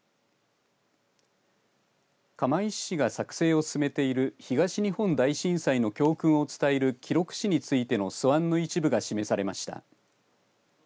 釜石市が作成を進めている東日本大震災の教訓を伝える記録誌についての素案の一部が示されました。